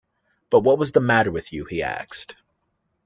“But what was the matter with you?” he asked.